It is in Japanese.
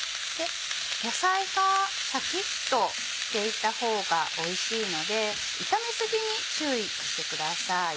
野菜がシャキっとしていた方がおいしいので炒め過ぎに注意してください。